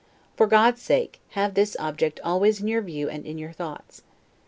For God's sake, have this object always in your view and in your thoughts.